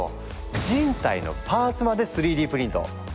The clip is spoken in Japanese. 人体のパーツまで３Ｄプリント！